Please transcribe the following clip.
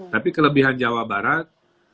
tapi kelebihan jawa barat